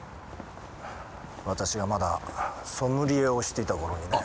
私がまだソムリエをしていた頃にね。